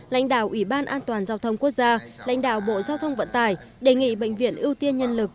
lãnh đạo ủy ban an toàn giao thông quốc gia lãnh đạo bộ giao thông vận tải đề nghị bệnh viện ưu tiên nhân lực